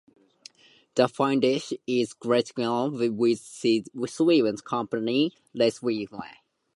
The foundation is registered with the Swiss company register.